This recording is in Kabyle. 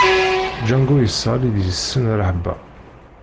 Django yesseɣli-d deg-sen rrehba.